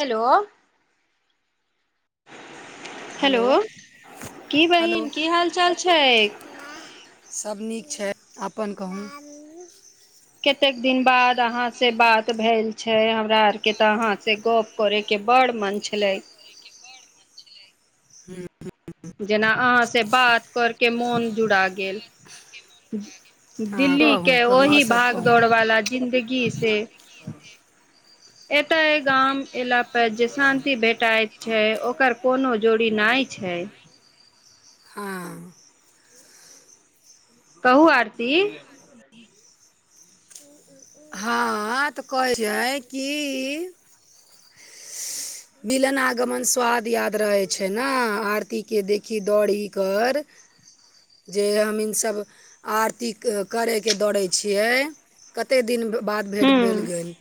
Hello hello की बहिन की हाल चाल छै। सभ नीक छै, अपन कहू कतेक दिन बाद आहां से बात भेल छै हमरा आर के त आहां से गप करे के बड़ मन छै। छल इ हू जेना अहाँसँ बात करकेऽ, मोन जुड़ा गेल। हँ दिल्ली कहू के कहू आओर ओहि सब भाग कहू दौड़ वाला जिंन्दगी से एतय गाम एला पर जे शान्ति भेटाइत छै, ओकर कोनो जोड़ी नहि छै। हँ कहू आरती ह तऽ कहै छै, की बिलन आगमन स्वाद याद रहे छै न आरती के देखी दौड़ी कर ह जे हम इसभ आरती करयके दौड़ै छियै। कतेक दिन बाद भेट भेल हूँ गेल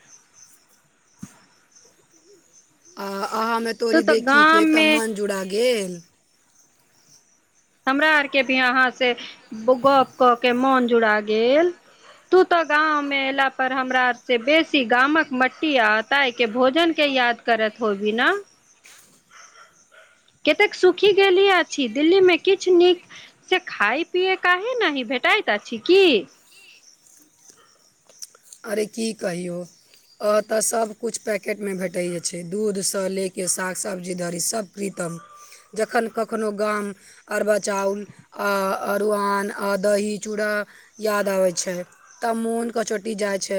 आओ अहाँमे तू तोर तऽ गाम देखहीके मे तब मन जुड़ा गेल। हमरा आर के भी अहाँ से गप कऽ, के मोन जुड़ा गेल। तू त गांम एला पर हमरा आर से बेसी गामक मट्टी आब तै के भोजन के याद करोत होबी न। कतेक सुखी गेलिह अछि दिल्लीमे किछ निक से खाय पिए काहे नाहि भेटाइत अछि की अरे की कहियौ अ ओतै सब किछ पैकेट मे भेटय छै, दूध से लेके साग, सब्जी धरी सब भी तक जखन कखनो गाम अरबा चाउल आ अरुआन आ दही-चूड़ा याद आबै छै। तऽ मोन कचोटि जाय छै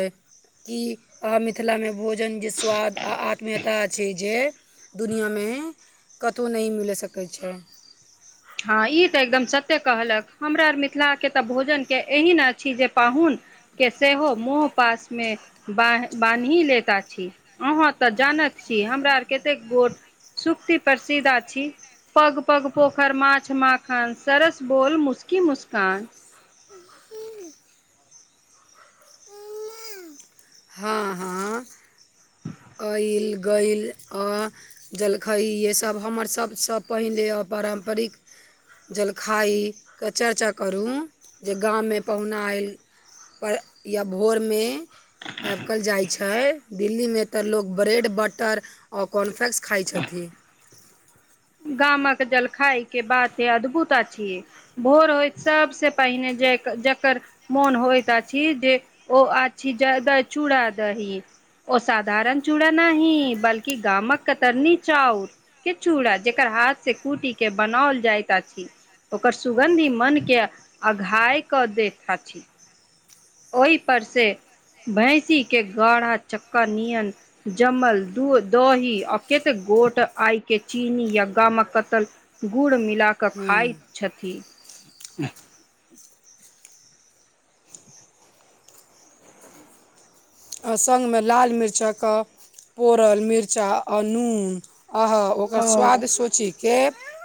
कि आहा मिथिलामे भोज जन जे स्वाद आ आत्मीयता अछि जे दुनया मे कतौ नै मिलै सकय छै। हाँ इ तै एकदम सत्य कहलक, हमरा आर मिथिला के तै भोजन के एहि नै अछि जे पाहुन के सेहो मोह पास मे बाएह बान्हि लैत अछि। अहाँ तऽ जानत छी हमरा आर कतेक गोट सुक्ति [unintelligible] छी पग-पग पोख माँछ, माखन, सरस बोल, मुस्की-मुस्कान हाँ-हाँ। अइल-गइल अ जलखय इहै सब हमर सबसे पहिले अ परम्परिक जलखाइ क चर्चा करू जे गाममे पहुनाय ऐल पर या भोर मे [unintelligible] जाए छै दिल्ली मे तऽ लोग ब्रेड बटर ओ कॉर्नफ्लेक्स खाय छथिन। गामक जलखय के बाते अद्भुत अछि। भोर होएत सबसे पहिने जैक जकर मोन होएत अछि जे ओ अछि जादा चूड़ा-दही ओ सधारण चूड़ा नाहि बल्कि गामक कतरनी चाउर के चूड़ा। जेकर हाथ से कुटी के बनौल जाएत अछि। ओकर सुगन्ध ही मन के अघाय क दैत अछि। ओय पर से भैंसी के गाढ़ा चक्का नियन जम्मल दूध-दही आ कतेक गोट आय के चीनी या गामक कतल गुड़ मिला कै खाएत छथि। आ संगमे लाल मिर्चा क पोरल मिर्चा आ नून आहा ओकर हँ स्वाद सोचि के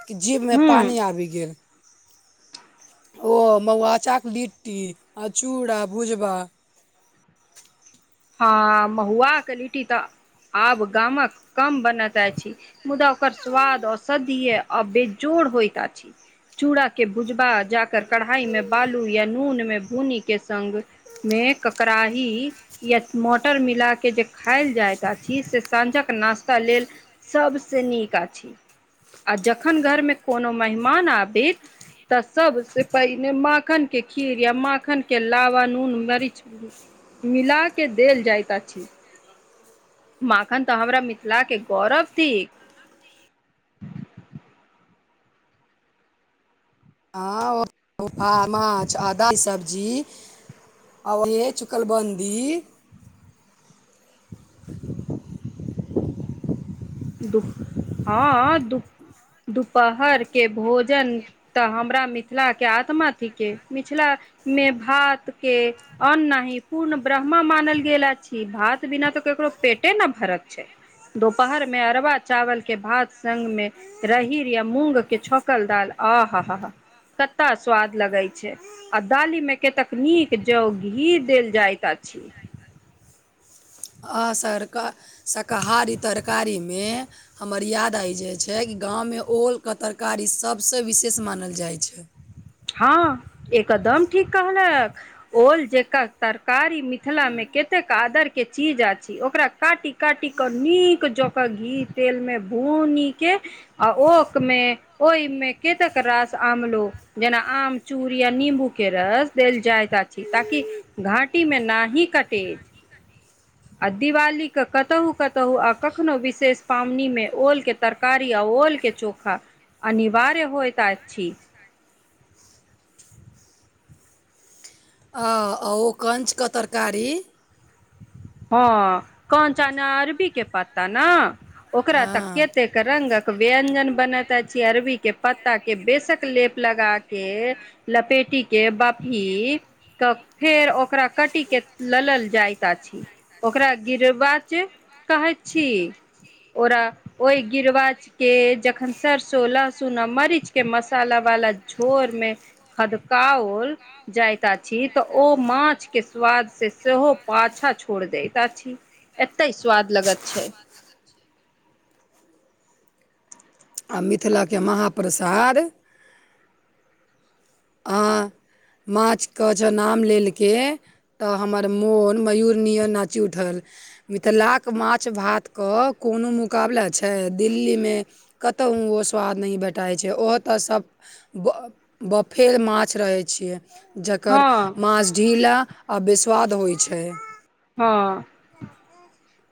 कि जीभ मे हूँ पानि आबि गेल। ओ मौआचा के लिट्टी आ चूड़ा भुजबा हाँ महुआ के लिट्टी तऽ आब गामक कम बनैत अछि। मुदा ओकर स्वाद औषधीय आ बेजोड़ होएत अछि। चूड़ा के भुजबा जा कै कढ़ाई में बालू या नून मे भुनी के संग मे ककराहि या मटर मिला के जे खाएल जाएत अछि से साँझक नास्ता लेल सबसे निक अछि आ जखन घरमे कोनो मेहमान आबित तऽ सबसे पहिने माँखन के खीर या माँखन के लावा नून मरीच मिला के देल जाएत अछि। माँखन तै हमरा मिथिला के गौरव थीक। हाँ ओ [unintelligible] माँछ आ दाइ सब्जी [unintelligible] चूकलबन्दी दुप हाँ दुप दुपहर के भोजन तऽ हमरा मिथला के आत्मा थिके मिछला मे भात के अन्न नाहि पूर्ण ब्रह्मा मानल गेल अछि भात बिना त केकरो पेटे न भरत छैय। दोपहरमे अरबा चावलके भात संगमे रहीर या मूँगके छौंकल दाल आहाहाहा कता स्वाद लगै छैय। आ दालीमे केतक नीक जो घी देल जाइत अछि। अ सर शाकाहारी तरकारीमे हमर याद आइ जाइ छैय कि गाँवमे ओलके तरकारी सभ स विशेष मानल जाइ छैय। हँ एकदम ठीक कहलक। ओल जेकर तरकारी मिथिलामे कतेक आदरके चीज अछि ओकरा काटि काटि क नीक जका घी तेलमे भुनीके आ ओकमे ओहिमे केतेक रास आमलो जेना आम चूड़ या निम्बूके रस देल जाइत अछि ताकि घाटी मे नाही कटे। आ दिवालीके कतहु-कतहु आ कखनो विशेष पावनीमे ओलके तरकारी अ ओल के चोखा अनिवार्य होइत आछि। आ ओ कंच क तरकारी हँ कंचा न अरबीके पत्ता न। ओकरा हँ त केतेक रंगक व्यंजन बनत अछी अरबी के पत्ता के बेसक लेप लगा के लपेटी के बपी त फेर ओकरा कटी के ललल जायत आछि। ओकरा गिरवाच कहै छी ओरा ओहि गिरवाच के जखन सरसो लहसुन आ मरीचके मसाला वाला झोरमे खदकाओल जाइत आछी त ओ माछके स्वाद से सेहो पाछा छो छोड़ देत आछी एते स्वाद लगत छैय। आ मिथिलाके महाप्रसाद अहाँ माछके ज नाम लेलके त हमर मोन मयूर नियन नाचि उठल। मिथिलाक माछ भात क कोनो मुकाबला छैय दिल्लीमे कतहु ओ स्वाद नहि भेटाइ छैय ओहो त सभ ब बप फेर माछ रहै छियै जकर हँ माछ ढीला आ वेस्वाद होइ छैय। हँ।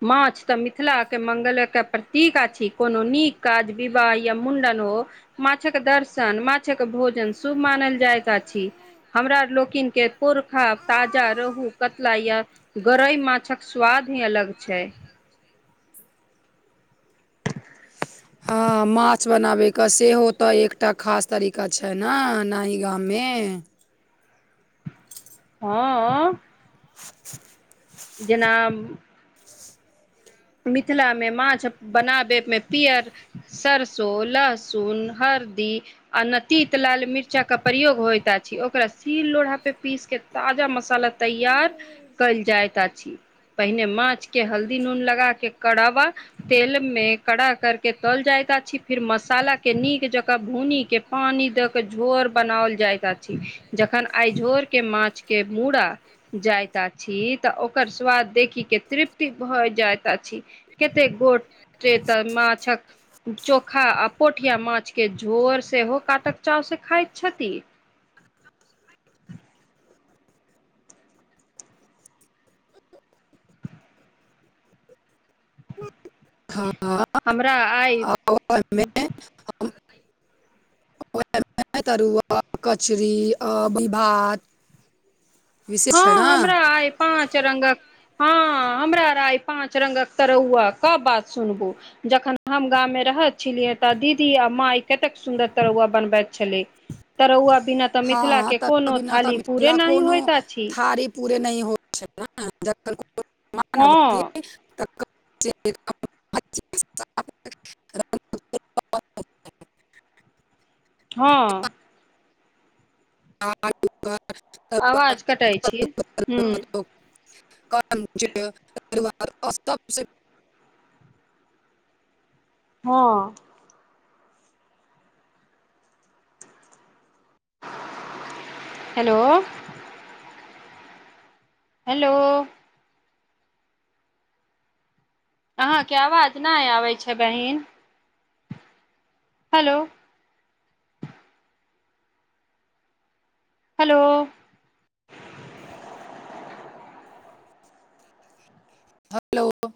माछ त मिथिलाके मंगल काजके प्रतीक आछि कोनो नीक काज विवाह या मुण्डन हो माछक दर्शन माछक भोजन शुभ मानल जाइत आछि। हमरा लोकिन के पोरखा ताजा रोहु कतला या गरई माछक स्वाद ही अलग छैय। हँ माछ बनावे क सेहो त एकटा खास तरीका छैय न नाही गामे हँ। जेना मिथिलामे माछ बनाबेमे पियर सरसों, लहसुन, हरदी आ न तीत लाल मिर्चाके प्रयोग होयत आछि ओकरा सील लोढ़ा पे पीस के ताजा मसाला तैयार कैल जाइत आछि पहिने माछ के हल्दी नून लगा के करावा तेल मे कड़ा करके तल जायत आछी फिर मसाला के नीक जकाँ भूनी के पानी दे के झोर बनाओल जाइत आछि। जखन आइ झोर के माछ के मुड़ा जायत आछी तऽ ओकर स्वाद देखिक के तृप्ति भऽ जायत आ छी कते गोट तऽ माछक चोखा आ पोठिया माछके झोर सेहो कातक चाव से खाइत छथि। [inaudible] हमरा आइ वाहमे तरुआ कचरी आभीभात विशे छै ना। पाच रंगक हँ हमरा रइ पांच रंगक तरौआ क बात सुनबू जखन हम गाममे रहैत छलियै तऽ दीदी आ माइ कतेक सुन्दर तरुआ बनबैत छलै। तरौआ बिना तऽ हँ मिथिला के तऽ कोनो थाली पूरे नाही होइत आ आरे पूरे नहि हो छै ना जखन कोनो मेहमान हँ आबथी [inaudible] हँ। आवाज कटै छी हूँ [inaudible] [inaudible] हँ। हेलो। हेलो। अहा के आवाज नहि आबै छै बहिन। हेलोउ। हेलोउ। हेलोउ।